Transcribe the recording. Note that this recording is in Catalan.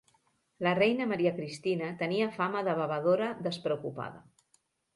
La reina Maria Cristina tenia fama de bevedora despreocupada.